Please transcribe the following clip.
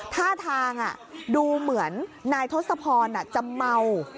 ท่าทางดูเหมือนนายทศพรจะเมา